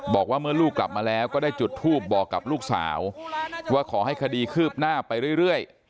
บอกว่าเมื่อลูกกลับมาแล้วก็ได้จุดทูบบอกกับลูกสาวว่าขอให้คดีคืบหน้าไปเรื่อย